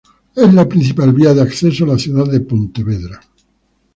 Es la principal vía de acceso a la ciudad de Pontevedra.